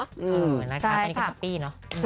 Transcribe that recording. เหมือนกับข้าวนี้กับปี้เนอะ